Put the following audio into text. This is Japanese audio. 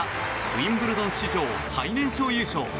ウィンブルドン史上最年少優勝。